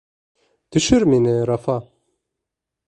Төшөр мине, Рафа.